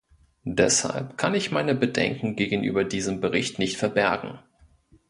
Deshalb kann ich meine Bedenken gegenüber diesem Bericht nicht verbergen.